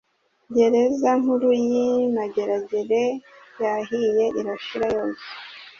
Gereza nkuru y’imageragere yahiye irashira yose